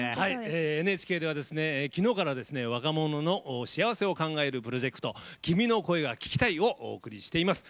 ＮＨＫでは、きのうから若者の幸せを考えるプロジェクト「君の声が聴きたい」をお送りしています。